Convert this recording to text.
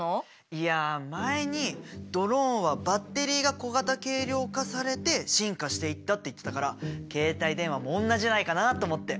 いや前にドローンはバッテリーが小型軽量化されて進化していったって言ってたから携帯電話もおんなじじゃないかなと思って。